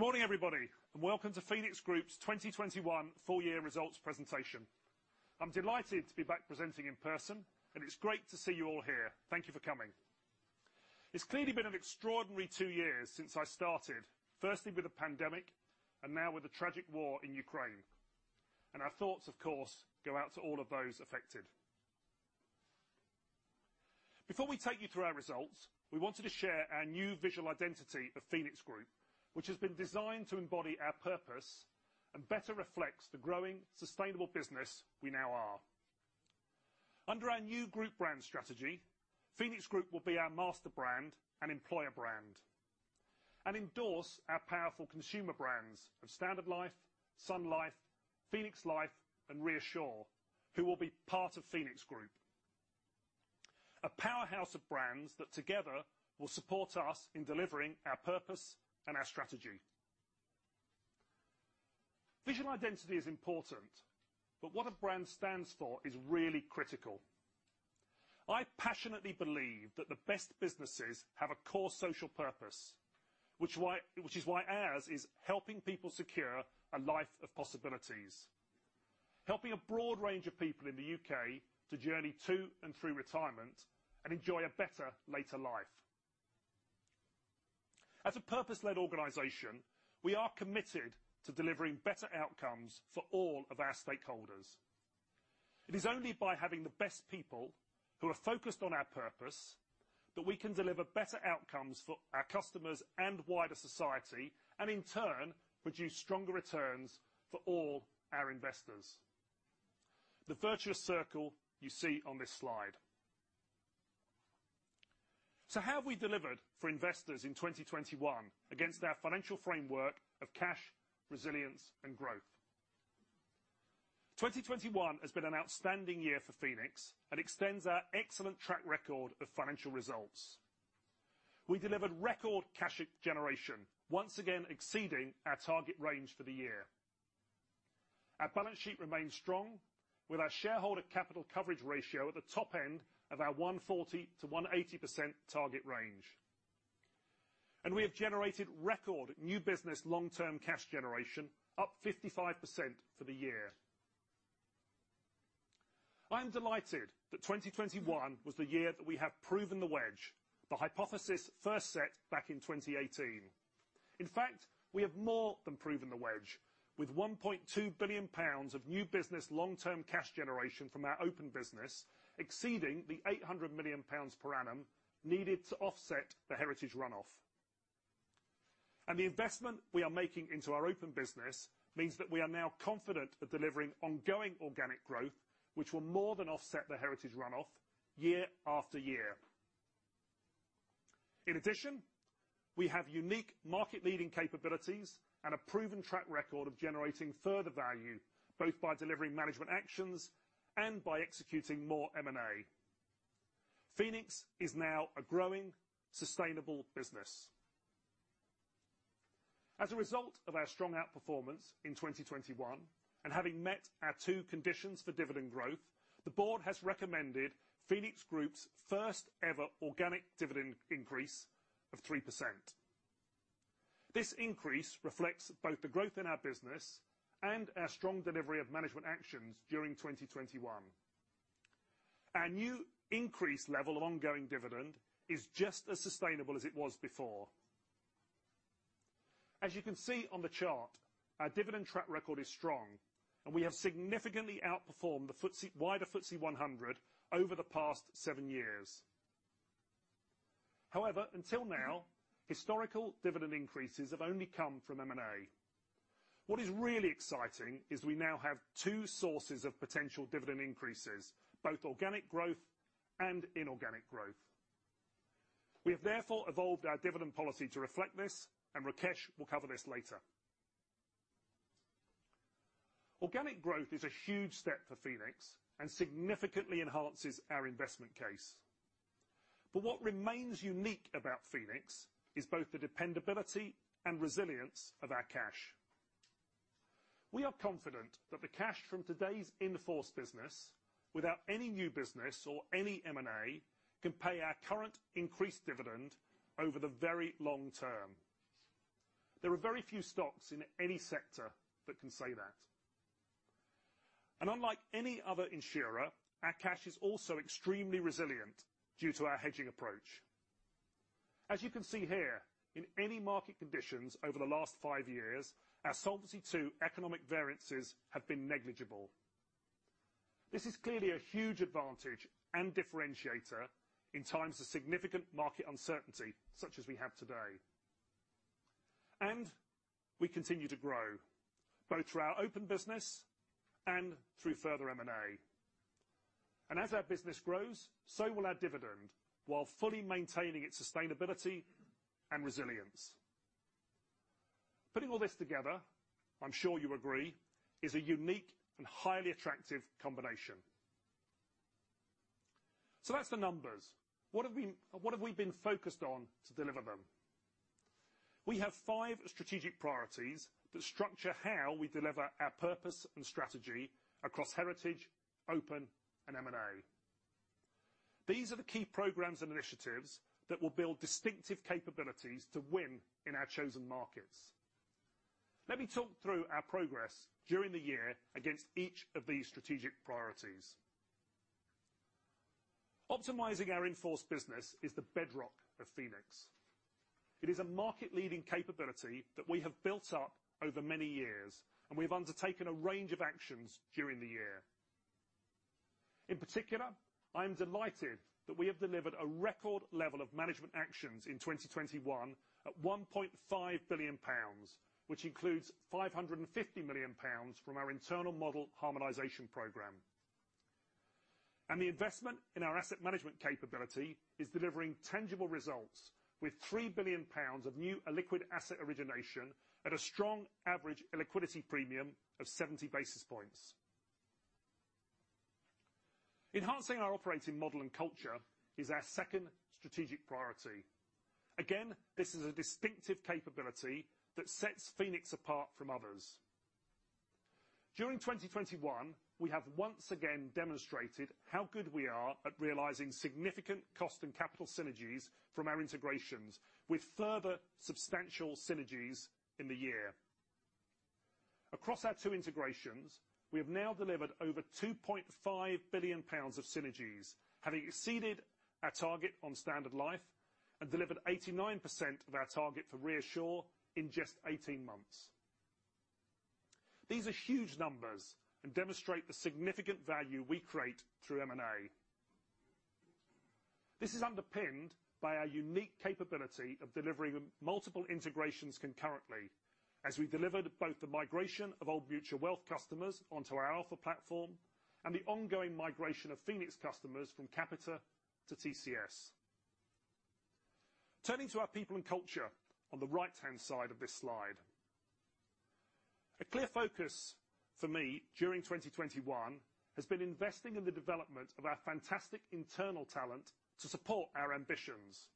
Good morning, everybody, and welcome to Phoenix Group's 2021 full year results presentation. I'm delighted to be back presenting in person, and it's great to see you all here. Thank you for coming. It's clearly been an extraordinary two years since I started, firstly with the pandemic, and now with the tragic war in Ukraine. Our thoughts, of course, go out to all of those affected. Before we take you through our results, we wanted to share our new visual identity of Phoenix Group, which has been designed to embody our purpose and better reflects the growing, sustainable business we now are. Under our new Group brand strategy, Phoenix Group will be our master brand and employer brand and endorse our powerful consumer brands of Standard Life, SunLife, Phoenix Life, and ReAssure, who will be part of Phoenix Group. A powerhouse of brands that together will support us in delivering our purpose and our strategy. Visual identity is important, but what a brand stands for is really critical. I passionately believe that the best businesses have a core social purpose, which is why ours is helping people secure a life of possibilities. Helping a broad range of people in the U.K. to journey to and through retirement and enjoy a better later life. As a purpose-led organization, we are committed to delivering better outcomes for all of our stakeholders. It is only by having the best people, who are focused on our purpose, that we can deliver better outcomes for our customers and wider society, and in turn, produce stronger returns for all our investors. The virtuous circle you see on this slide. How have we delivered for investors in 2021 against our financial framework of cash, resilience, and growth? 2021 has been an outstanding year for Phoenix and extends our excellent track record of financial results. We delivered record cash generation, once again exceeding our target range for the year. Our balance sheet remains strong, with our shareholder capital coverage ratio at the top end of our 140%-180% target range. We have generated record new business long-term cash generation, up 55% for the year. I am delighted that 2021 was the year that we have proven the wedge, the hypothesis first set back in 2018. In fact, we have more than proven the wedge, with 1.2 billion pounds of new business long-term cash generation from our open business exceeding the 800 million pounds per annum needed to offset the heritage runoff. The investment we are making into our open business means that we are now confident of delivering ongoing organic growth, which will more than offset the heritage runoff year after year. In addition, we have unique market-leading capabilities and a proven track record of generating further value, both by delivering management actions and by executing more M&A. Phoenix is now a growing, sustainable business. As a result of our strong outperformance in 2021, and having met our two conditions for dividend growth, the board has recommended Phoenix Group's first ever organic dividend increase of 3%. This increase reflects both the growth in our business and our strong delivery of management actions during 2021. Our new increased level of ongoing dividend is just as sustainable as it was before. As you can see on the chart, our dividend track record is strong, and we have significantly outperformed the wider FTSE 100 over the past seven years. However, until now, historical dividend increases have only come from M&A. What is really exciting is we now have two sources of potential dividend increases, both organic growth and inorganic growth. We have therefore evolved our dividend policy to reflect this, and Rakesh will cover this later. Organic growth is a huge step for Phoenix and significantly enhances our investment case. But what remains unique about Phoenix is both the dependability and resilience of our cash. We are confident that the cash from today's in-force business, without any new business or any M&A, can pay our current increased dividend over the very long term. There are very few stocks in any sector that can say that. Unlike any other insurer, our cash is also extremely resilient due to our hedging approach. As you can see here, in any market conditions over the last five years, our Solvency II economic variances have been negligible. This is clearly a huge advantage and differentiator in times of significant market uncertainty, such as we have today. We continue to grow, both through our open business and through further M&A. As our business grows, so will our dividend, while fully maintaining its sustainability and resilience. Putting all this together, I'm sure you agree, is a unique and highly attractive combination. That's the numbers. What have we been focused on to deliver them? We have five strategic priorities that structure how we deliver our purpose and strategy across Heritage, Open, and M&A. These are the key programs and initiatives that will build distinctive capabilities to win in our chosen markets. Let me talk through our progress during the year against each of these strategic priorities. Optimizing our in-force business is the bedrock of Phoenix. It is a market-leading capability that we have built up over many years, and we have undertaken a range of actions during the year. In particular, I am delighted that we have delivered a record level of management actions in 2021 at 1.5 billion pounds, which includes 550 million pounds from our internal model harmonization program. The investment in our asset management capability is delivering tangible results with 3 billion pounds of new liquid asset origination at a strong average illiquidity premium of 70 basis points. Enhancing our operating model and culture is our second strategic priority. Again, this is a distinctive capability that sets Phoenix apart from others. During 2021, we have once again demonstrated how good we are at realizing significant cost and capital synergies from our integrations, with further substantial synergies in the year. Across our two integrations, we have now delivered over 2.5 billion pounds of synergies, having exceeded our target on Standard Life and delivered 89% of our target for ReAssure in just 18 months. These are huge numbers and demonstrate the significant value we create through M&A. This is underpinned by our unique capability of delivering multiple integrations concurrently as we delivered both the migration of Old Mutual Wealth customers onto our Alpha platform and the ongoing migration of Phoenix customers from Capita to TCS. Turning to our people and culture on the right-hand side of this slide. A clear focus for me during 2021 has been investing in the development of our fantastic internal talent to support our ambitions,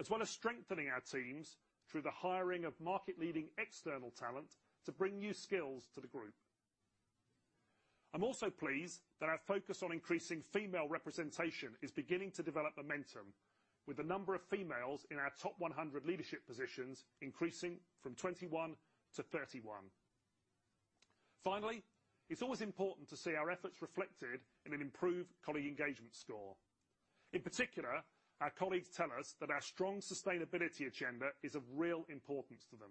as well as strengthening our teams through the hiring of market-leading external talent to bring new skills to the group. I'm also pleased that our focus on increasing female representation is beginning to develop momentum with the number of females in our top 100 leadership positions increasing from 21 to 31. Finally, it's always important to see our efforts reflected in an improved colleague engagement score. In particular, our colleagues tell us that our strong sustainability agenda is of real importance to them.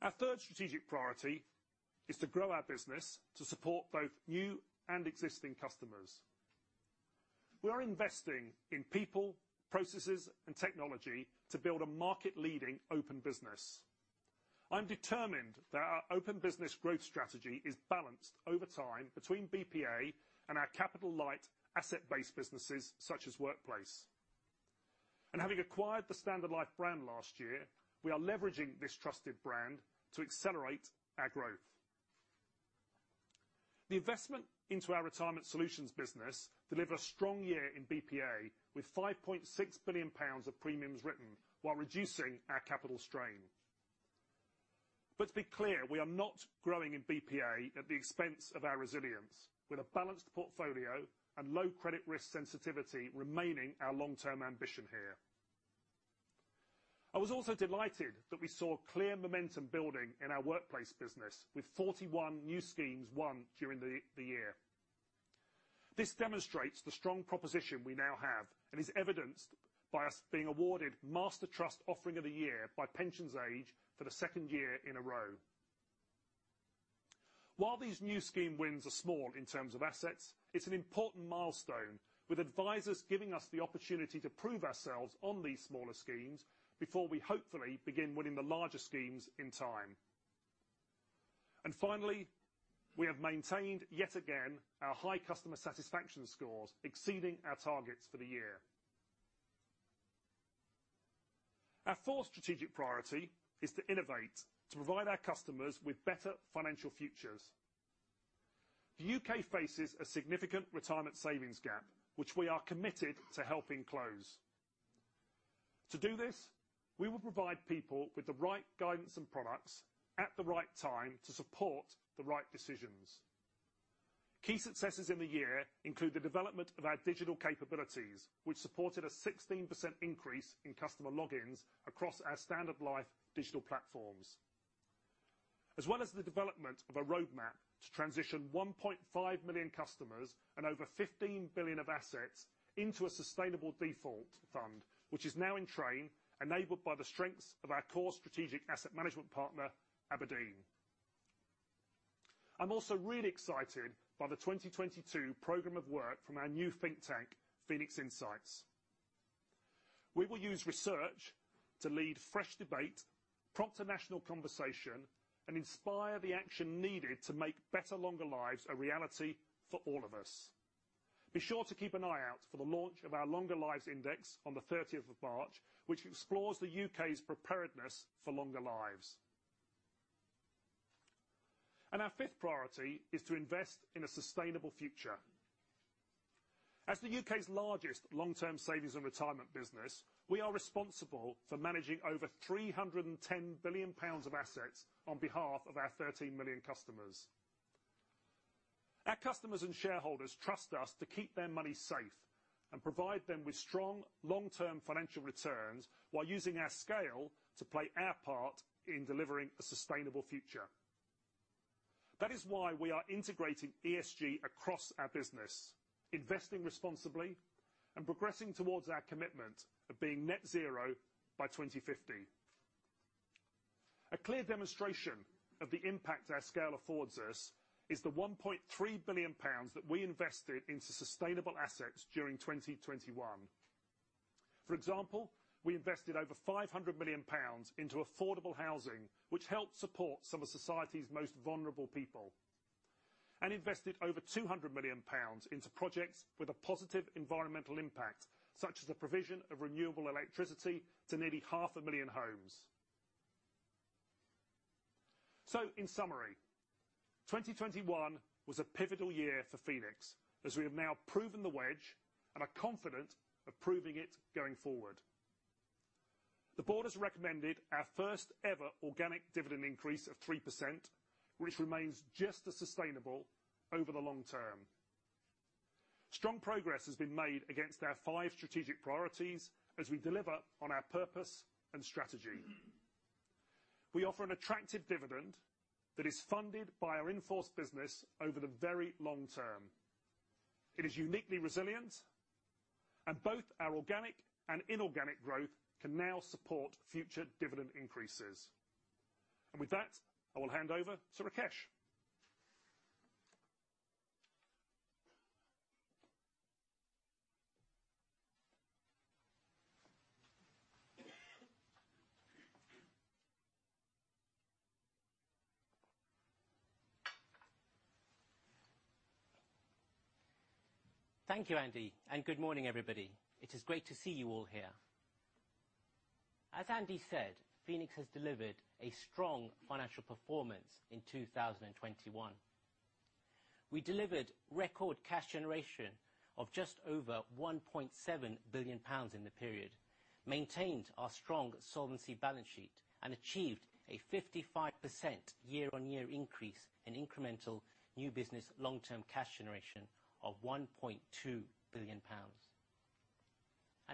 Our third strategic priority is to grow our business to support both new and existing customers. We are investing in people, processes, and technology to build a market-leading open business. I'm determined that our open business growth strategy is balanced over time between BPA and our capital-light asset-based businesses such as Workplace. Having acquired the Standard Life brand last year, we are leveraging this trusted brand to accelerate our growth. The investment into our retirement solutions business delivered a strong year in BPA with 5.6 billion pounds of premiums written while reducing our capital strain. To be clear, we are not growing in BPA at the expense of our resilience, with a balanced portfolio and low credit risk sensitivity remaining our long-term ambition here. I was also delighted that we saw clear momentum building in our Workplace business with 41 new schemes won during the year. This demonstrates the strong proposition we now have and is evidenced by us being awarded Master Trust Offering of the Year by Pensions Age for the second year in a row. While these new scheme wins are small in terms of assets, it's an important milestone with advisors giving us the opportunity to prove ourselves on these smaller schemes before we hopefully begin winning the larger schemes in time. Finally, we have maintained, yet again, our high customer satisfaction scores, exceeding our targets for the year. Our fourth strategic priority is to innovate, to provide our customers with better financial futures. The U.K. faces a significant retirement savings gap, which we are committed to helping close. To do this, we will provide people with the right guidance and products at the right time to support the right decisions. Key successes in the year include the development of our digital capabilities, which supported a 16% increase in customer logins across our Standard Life digital platforms. As well as the development of a roadmap to transition 1.5 million customers and over 15 billion of assets into a sustainable default fund, which is now in train, enabled by the strengths of our core strategic asset management partner, abrdn. I'm also really excited by the 2022 program of work from our new think tank, Phoenix Insights. We will use research to lead fresh debate, prompt a national conversation, and inspire the action needed to make better longer lives a reality for all of us. Be sure to keep an eye out for the launch of our Longer Lives Index on the thirtieth of March, which explores the U.K.'s preparedness for longer lives. Our fifth priority is to invest in a sustainable future. As the U.K.'s largest long-term savings and retirement business, we are responsible for managing over 310 billion pounds of assets on behalf of our 13 million customers. Our customers and shareholders trust us to keep their money safe and provide them with strong long-term financial returns while using our scale to play our part in delivering a sustainable future. That is why we are integrating ESG across our business, investing responsibly, and progressing towards our commitment of being net zero by 2050. A clear demonstration of the impact our scale affords us is the 1.3 billion pounds that we invested into sustainable assets during 2021. For example, we invested over 500 million pounds into affordable housing, which helped support some of society's most vulnerable people, and invested over 200 million pounds into projects with a positive environmental impact, such as the provision of renewable electricity to nearly half a million homes. In summary, 2021 was a pivotal year for Phoenix, as we have now proven the wedge and are confident of proving it going forward. The board has recommended our first ever organic dividend increase of 3%, which remains just as sustainable over the long term. Strong progress has been made against our 5 strategic priorities as we deliver on our purpose and strategy. We offer an attractive dividend that is funded by our in-force business over the very long term. It is uniquely resilient, and both our organic and inorganic growth can now support future dividend increases. With that, I will hand over to Rakesh. Thank you, Andy, and good morning everybody. It is great to see you all here. As Andy said, Phoenix has delivered a strong financial performance in 2021. We delivered record cash generation of just over 1.7 billion pounds in the period, maintained our strong solvency balance sheet, and achieved a 55% year-on-year increase in incremental new business long-term cash generation of 1.2 billion pounds.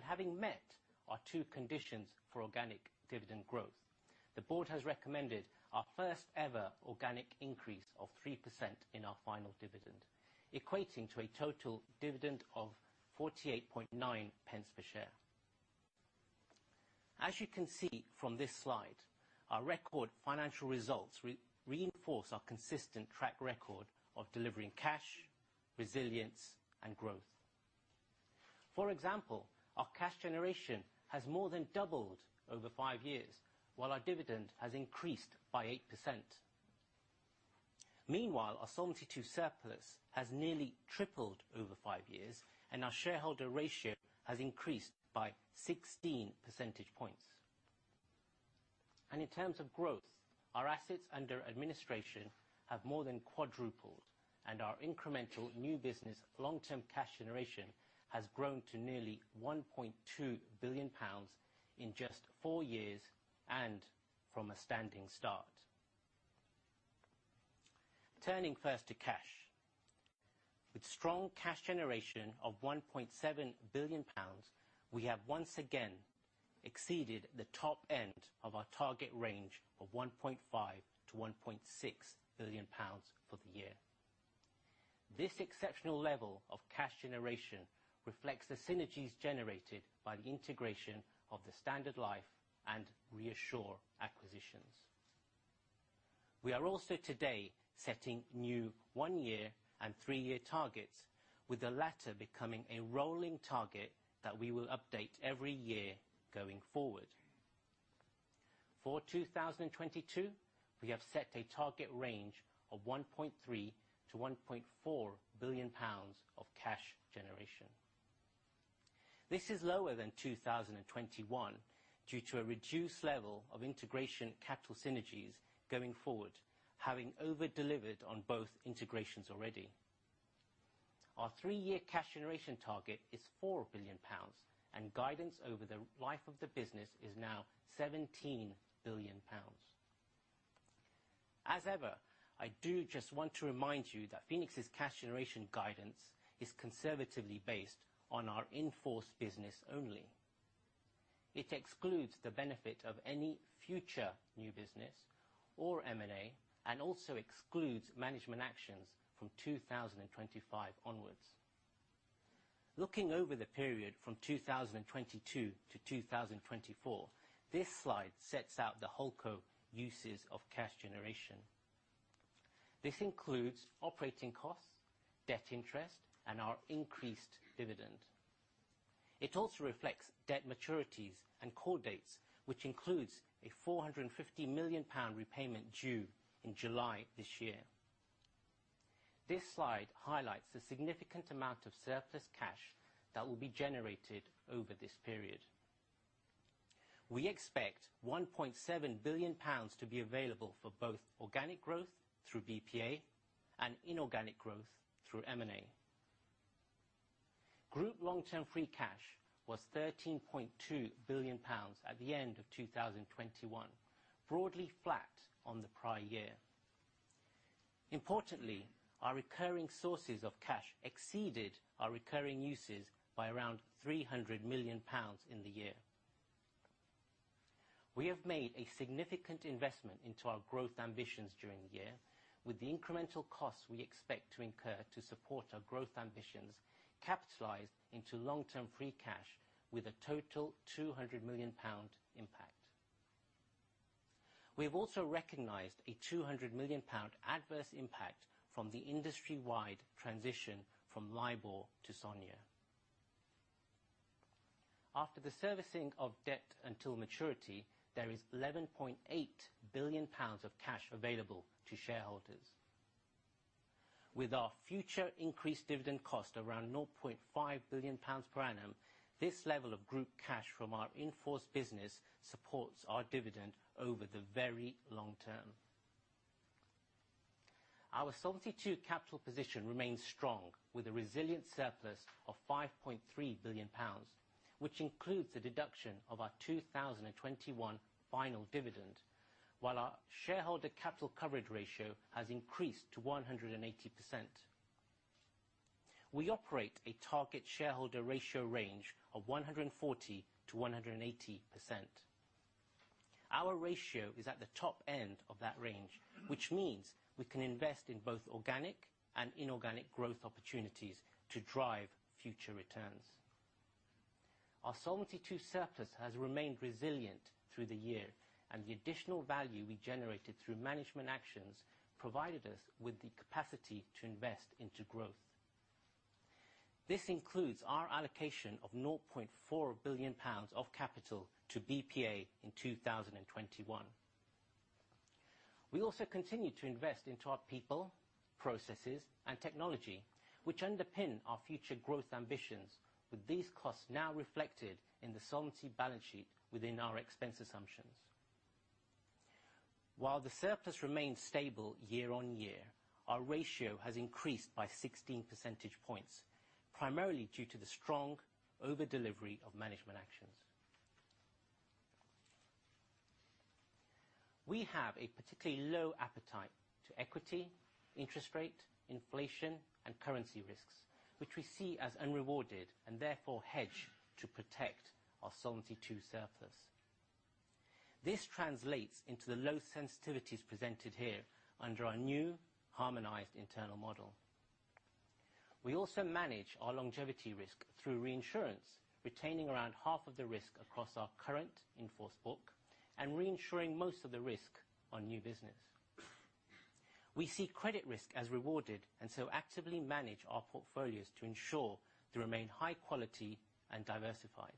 Having met our two conditions for organic dividend growth, the board has recommended our first ever organic increase of 3% in our final dividend, equating to a total dividend of 0.489 per share. As you can see from this slide, our record financial results reinforce our consistent track record of delivering cash, resilience, and growth. For example, our cash generation has more than doubled over five years, while our dividend has increased by 8%. Meanwhile, our Solvency II surplus has nearly tripled over five years, and our shareholder ratio has increased by 16 percentage points. In terms of growth, our assets under administration have more than quadrupled, and our incremental new business long-term cash generation has grown to nearly 1.2 billion pounds in just four years, and from a standing start. Turning first to cash. With strong cash generation of 1.7 billion pounds, we have once again exceeded the top end of our target range of 1.5 billion-1.6 billion pounds for the year. This exceptional level of cash generation reflects the synergies generated by the integration of the Standard Life and ReAssure acquisitions. We are also today setting new one-year and three-year targets, with the latter becoming a rolling target that we will update every year going forward. For 2022, we have set a target range of 1.3 billion-1.4 billion pounds of cash generation. This is lower than 2021 due to a reduced level of integration capital synergies going forward, having over-delivered on both integrations already. Our three-year cash generation target is 4 billion pounds, and guidance over the life of the business is now 17 billion pounds. As ever, I do just want to remind you that Phoenix's cash generation guidance is conservatively based on our in-force business only. It excludes the benefit of any future new business or M&A, and also excludes management actions from 2025 onwards. Looking over the period from 2022 to 2024, this slide sets out the whole sources and uses of cash generation. This includes operating costs, debt interest, and our increased dividend. It also reflects debt maturities and call dates, which includes a 450 million pound repayment due in July this year. This slide highlights the significant amount of surplus cash that will be generated over this period. We expect 1.7 billion pounds to be available for both organic growth through BPA and inorganic growth through M&A. Group long-term free cash was 13.2 billion pounds at the end of 2021, broadly flat on the prior year. Importantly, our recurring sources of cash exceeded our recurring uses by around 300 million pounds in the year. We have made a significant investment into our growth ambitions during the year with the incremental costs we expect to incur to support our growth ambitions capitalized into long-term free cash with a total 200 million pound impact. We have also recognized a 200 million pound adverse impact from the industry-wide transition from LIBOR to SONIA. After the servicing of debt until maturity, there is 11.8 billion pounds of cash available to shareholders. With our future increased dividend cost around 0.5 billion pounds per annum, this level of group cash from our in-force business supports our dividend over the very long term. Our Solvency II capital position remains strong with a resilient surplus of 5.3 billion pounds, which includes the deduction of our 2021 final dividend, while our shareholder capital coverage ratio has increased to 180%. We operate a target shareholder ratio range of 140%-180%. Our ratio is at the top end of that range, which means we can invest in both organic and inorganic growth opportunities to drive future returns. Our Solvency II surplus has remained resilient through the year, and the additional value we generated through management actions provided us with the capacity to invest into growth. This includes our allocation of 0.4 billion pounds of capital to BPA in 2021. We also continue to invest into our people, processes, and technology which underpin our future growth ambitions. With these costs now reflected in the Solvency balance sheet within our expense assumptions. While the surplus remains stable year-over-year, our ratio has increased by 16 percentage points, primarily due to the strong over delivery of management actions. We have a particularly low appetite to equity, interest rate, inflation, and currency risks, which we see as unrewarded and therefore hedge to protect our Solvency II surplus. This translates into the low sensitivities presented here under our new harmonized internal model. We also manage our longevity risk through reinsurance, retaining around half of the risk across our current in-force book and reinsuring most of the risk on new business. We see credit risk as rewarded and so actively manage our portfolios to ensure they remain high quality and diversified.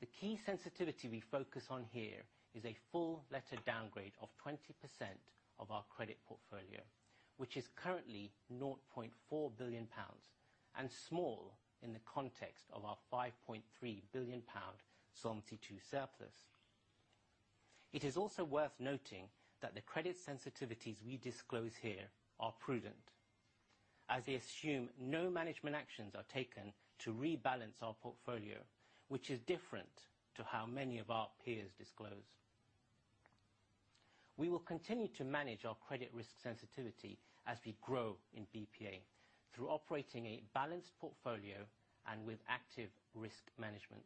The key sensitivity we focus on here is a full letter downgrade of 20% of our credit portfolio, which is currently 0.4 billion pounds and small in the context of our 5.3 billion pound Solvency II surplus. It is also worth noting that the credit sensitivities we disclose here are prudent, as they assume no management actions are taken to rebalance our portfolio, which is different to how many of our peers disclose. We will continue to manage our credit risk sensitivity as we grow in BPA through operating a balanced portfolio and with active risk management.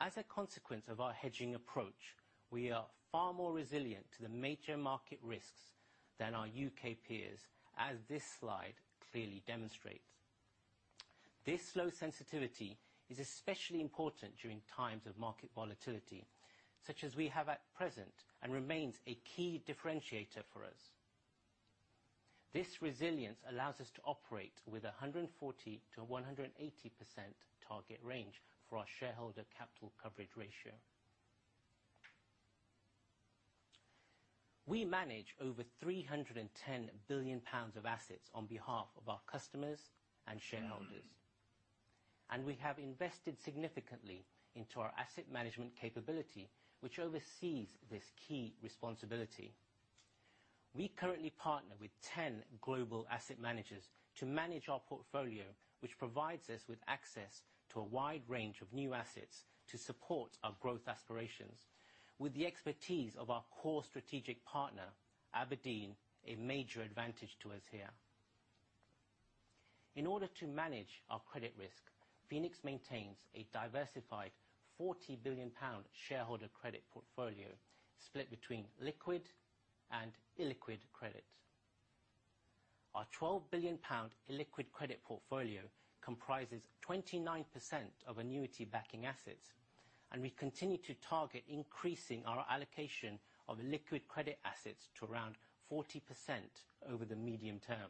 As a consequence of our hedging approach, we are far more resilient to the major market risks than our U.K. peers, as this slide clearly demonstrates. This low sensitivity is especially important during times of market volatility, such as we have at present, and remains a key differentiator for us. This resilience allows us to operate with a 140%-180% target range for our shareholder capital coverage ratio. We manage over 310 billion pounds of assets on behalf of our customers and shareholders, and we have invested significantly into our asset management capability, which oversees this key responsibility. We currently partner with 10 global asset managers to manage our portfolio, which provides us with access to a wide range of new assets to support our growth aspirations. With the expertise of our core strategic partner, abrdn, a major advantage to us here. In order to manage our credit risk, Phoenix maintains a diversified 40 billion pound shareholder credit portfolio split between liquid and illiquid credit. Our 12 billion pound illiquid credit portfolio comprises 29% of annuity backing assets, and we continue to target increasing our allocation of liquid credit assets to around 40% over the medium term.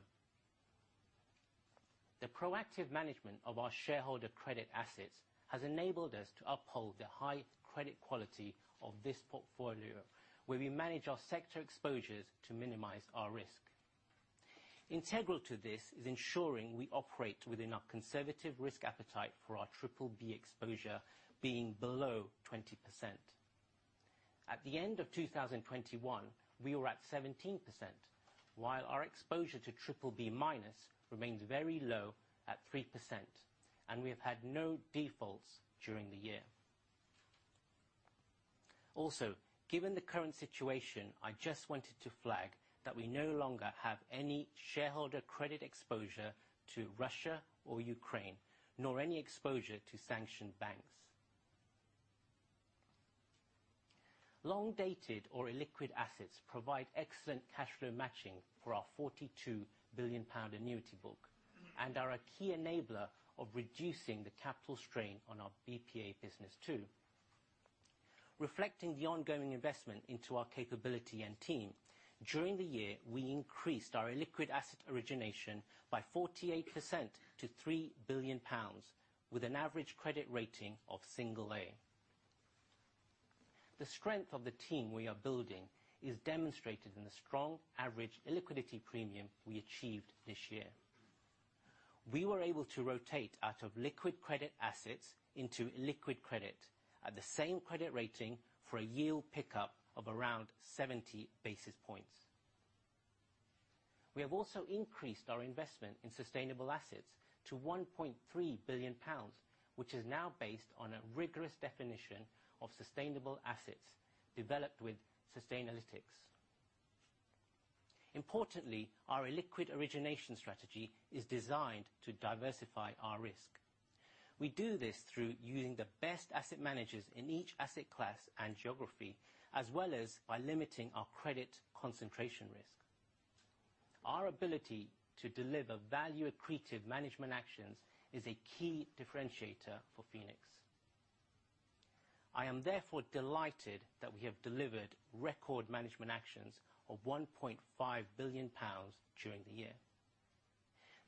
The proactive management of our shareholder credit assets has enabled us to uphold the high credit quality of this portfolio, where we manage our sector exposures to minimize our risk. Integral to this is ensuring we operate within our conservative risk appetite for our BBB exposure being below 20%. At the end of 2021, we were at 17%, while our exposure to BBB- remains very low at 3%, and we have had no defaults during the year. Also, given the current situation, I just wanted to flag that we no longer have any shareholder credit exposure to Russia or Ukraine, nor any exposure to sanctioned banks. Long-dated or illiquid assets provide excellent cash flow matching for our 42 billion pound annuity book, and are a key enabler of reducing the capital strain on our BPA business too. Reflecting the ongoing investment into our capability and team, during the year, we increased our illiquid asset origination by 48% to 3 billion pounds, with an average credit rating of single A. The strength of the team we are building is demonstrated in the strong average illiquidity premium we achieved this year. We were able to rotate out of liquid credit assets into illiquid credit at the same credit rating for a yield pickup of around 70 basis points. We have also increased our investment in sustainable assets to 1.3 billion pounds, which is now based on a rigorous definition of sustainable assets developed with Sustainalytics. Importantly, our illiquid origination strategy is designed to diversify our risk. We do this through using the best asset managers in each asset class and geography, as well as by limiting our credit concentration risk. Our ability to deliver value-accretive management actions is a key differentiator for Phoenix. I am therefore delighted that we have delivered record management actions of 1.5 billion pounds during the year.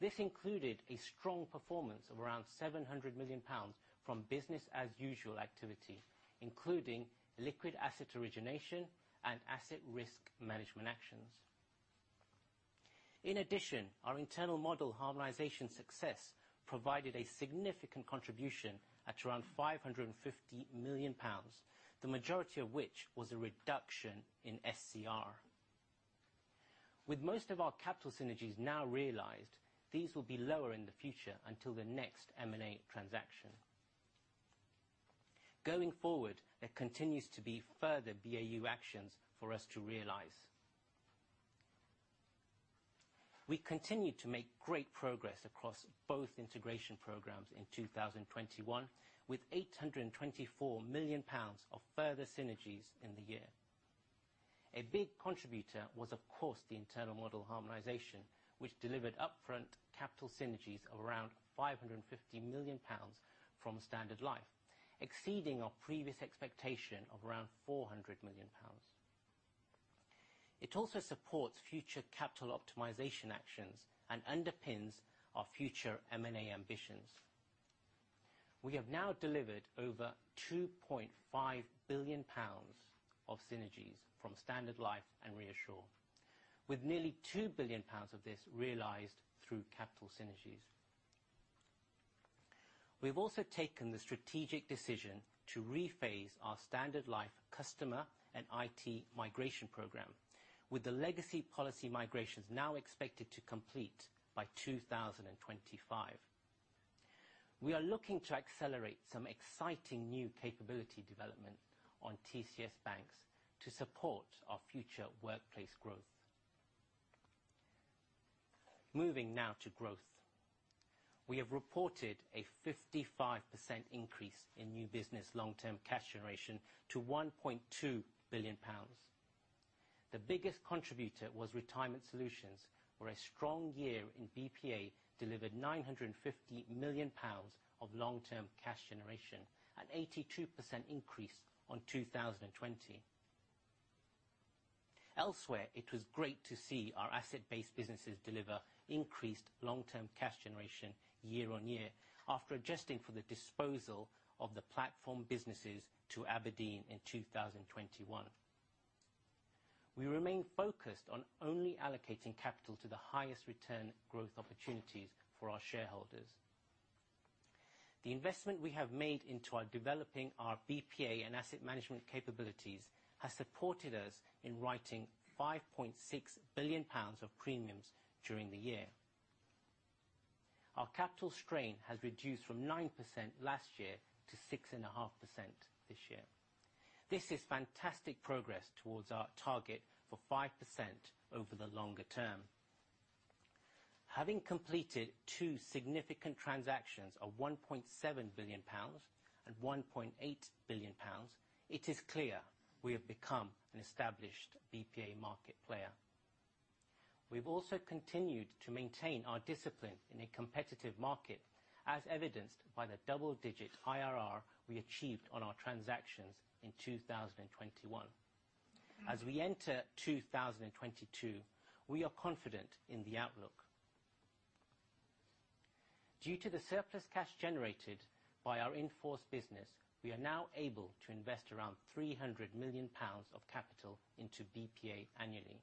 This included a strong performance of around 700 million pounds from business as usual activity, including illiquid asset origination and asset risk management actions. In addition, our internal model harmonization success provided a significant contribution at around 550 million pounds, the majority of which was a reduction in SCR. With most of our capital synergies now realized, these will be lower in the future until the next M&A transaction. Going forward, there continues to be further BAU actions for us to realize. We continued to make great progress across both integration programs in 2021 with GBP 824 million of further synergies in the year. A big contributor was, of course, the internal model harmonization, which delivered upfront capital synergies of around GBP 550 million from Standard Life, exceeding our previous expectation of around GBP 400 million. It also supports future capital optimization actions and underpins our future M&A ambitions. We have now delivered over 2.5 billion pounds of synergies from Standard Life and ReAssure, with nearly 2 billion pounds of this realized through capital synergies. We have also taken the strategic decision to rephase our Standard Life customer and IT migration program, with the legacy policy migrations now expected to complete by 2025. We are looking to accelerate some exciting new capability development on TCS BaNCS to support our future Workplace growth. Moving now to growth. We have reported a 55% increase in new business long-term cash generation to 1.2 billion pounds. The biggest contributor was retirement solutions, where a strong year in BPA delivered 950 million pounds of long-term cash generation, an 82% increase on 2020. Elsewhere, it was great to see our asset-based businesses deliver increased long-term cash generation year on year, after adjusting for the disposal of the platform businesses to abrdn in 2021. We remain focused on only allocating capital to the highest return growth opportunities for our shareholders. The investment we have made into our developing our BPA and asset management capabilities has supported us in writing 5.6 billion pounds of premiums during the year. Our capital strain has reduced from 9% last year to 6.5% this year. This is fantastic progress towards our target for 5% over the longer term. Having completed two significant transactions of 1.7 billion pounds and 1.8 billion pounds, it is clear we have become an established BPA market player. We've also continued to maintain our discipline in a competitive market, as evidenced by the double-digit IRR we achieved on our transactions in 2021. As we enter 2022, we are confident in the outlook. Due to the surplus cash generated by our in-force business, we are now able to invest around 300 million pounds of capital into BPA annually.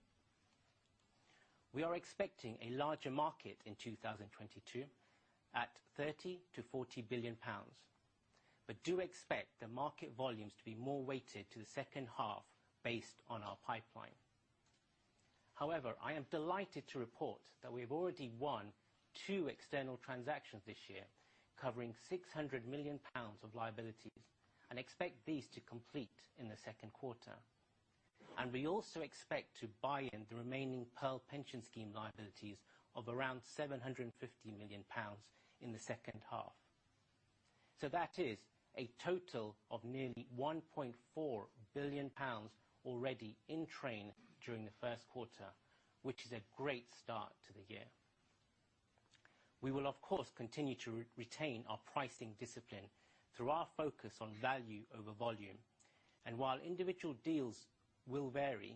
We are expecting a larger market in 2022, at 30 billion-40 billion pounds. Do expect the market volumes to be more weighted to the second half based on our pipeline. However, I am delighted to report that we have already won 2 external transactions this year, covering 600 million pounds of liabilities, and expect these to complete in the second quarter. We also expect to buy in the remaining Pearl pension scheme liabilities of around 750 million pounds in the second half. That is a total of nearly 1.4 billion pounds already in train during the first quarter, which is a great start to the year. We will of course continue to retain our pricing discipline through our focus on value over volume. While individual deals will vary,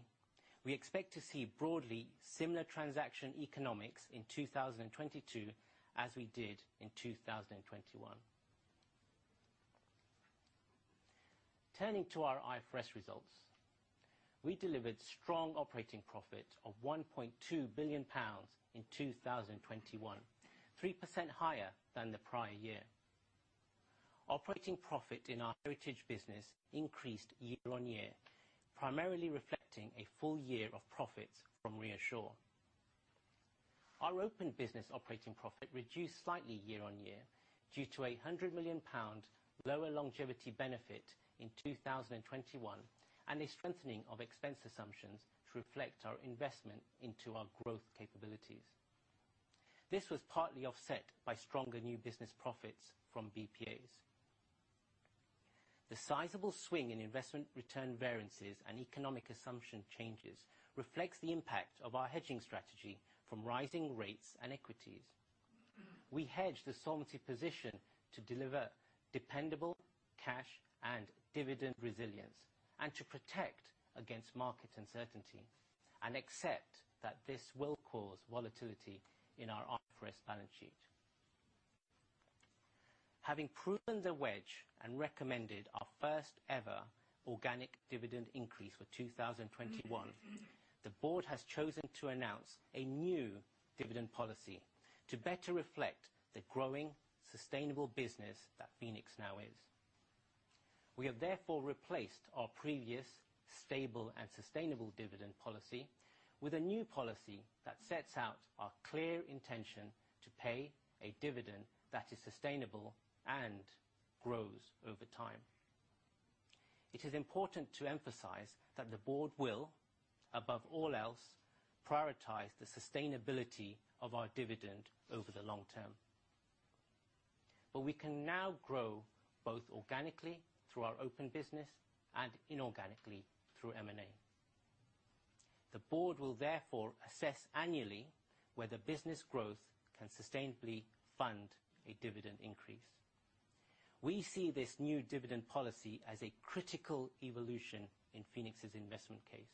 we expect to see broadly similar transaction economics in 2022 as we did in 2021. Turning to our IFRS results. We delivered strong operating profit of 1.2 billion pounds in 2021, 3% higher than the prior year. Operating profit in our heritage business increased year-on-year, primarily reflecting a full year of profits from ReAssure. Our open business operating profit reduced slightly year-over-year, due to GBP 100 million lower longevity benefit in 2021, and a strengthening of expense assumptions to reflect our investment into our growth capabilities. This was partly offset by stronger new business profits from BPAs. The sizable swing in investment return variances and economic assumption changes reflects the impact of our hedging strategy from rising rates and equities. We hedge the solvency position to deliver dependable cash and dividend resilience, and to protect against market uncertainty. Accept that this will cause volatility in our IFRS balance sheet. Having proven the wedge and recommended our first ever organic dividend increase for 2021, the board has chosen to announce a new dividend policy to better reflect the growing sustainable business that Phoenix now is. We have therefore replaced our previous stable and sustainable dividend policy with a new policy that sets out our clear intention to pay a dividend that is sustainable and grows over time. It is important to emphasize that the board will, above all else, prioritize the sustainability of our dividend over the long term. We can now grow both organically through our open business and inorganically through M&A. The board will therefore assess annually whether business growth can sustainably fund a dividend increase. We see this new dividend policy as a critical evolution in Phoenix's investment case.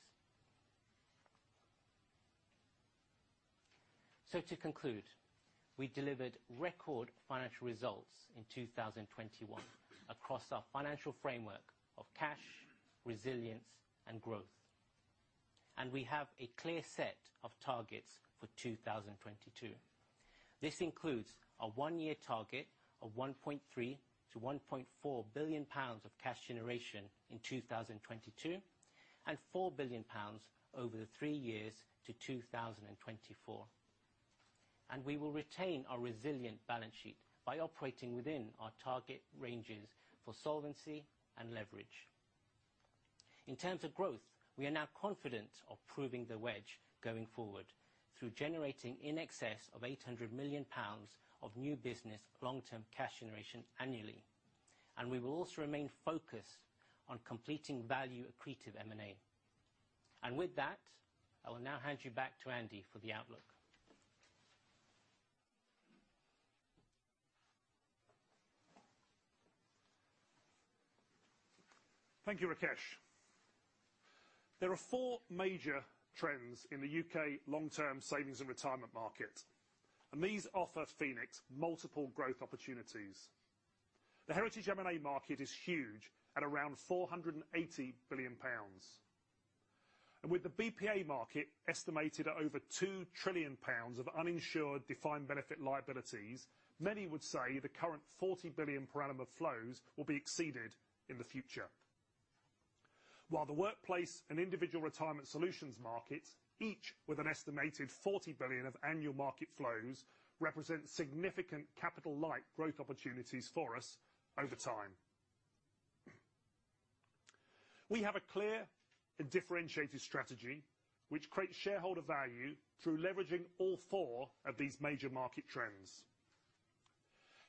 To conclude, we delivered record financial results in 2021 across our financial framework of cash, resilience, and growth. We have a clear set of targets for 2022. This includes our one-year target of 1.3 billion-1.4 billion pounds of cash generation in 2022, and 4 billion pounds over the three years to 2024. We will retain our resilient balance sheet by operating within our target ranges for solvency and leverage. In terms of growth, we are now confident of proving the wedge going forward through generating in excess of 800 million pounds of new business long-term cash generation annually. We will also remain focused on completing value accretive M&A. With that, I will now hand you back to Andy for the outlook. Thank you, Rakesh. There are 4 major trends in the U.K. long-term savings and retirement market, and these offer Phoenix multiple growth opportunities. The heritage M&A market is huge at around GBP 480 billion. With the BPA market estimated at over 2 trillion pounds of uninsured defined benefit liabilities, many would say the current 40 billion per annum of flows will be exceeded in the future. While the workplace and individual retirement solutions market, each with an estimated 40 billion of annual market flows, represent significant capital light growth opportunities for us over time. We have a clear and differentiated strategy which creates shareholder value through leveraging all 4 of these major market trends.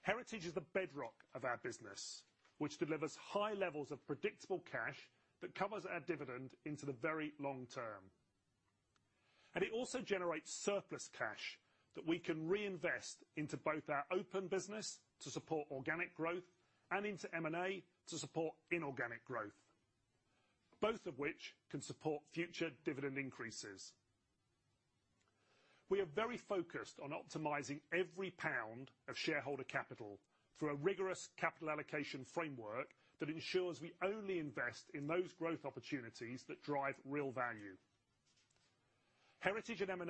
Heritage is the bedrock of our business, which delivers high levels of predictable cash that covers our dividend into the very long term. It also generates surplus cash that we can reinvest into both our open business to support organic growth and into M&A to support inorganic growth, both of which can support future dividend increases. We are very focused on optimizing every pound of shareholder capital through a rigorous capital allocation framework that ensures we only invest in those growth opportunities that drive real value. Heritage and M&A